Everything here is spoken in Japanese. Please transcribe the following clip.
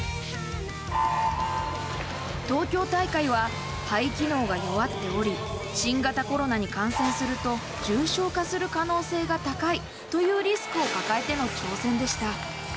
東京大会は肺機能が弱っており、新型コロナに感染すると、重症化する可能性が高いというリスクを抱えての挑戦でした。